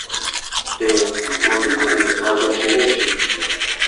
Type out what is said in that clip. Reba, Mu byukuri ntabwo nshimishijwe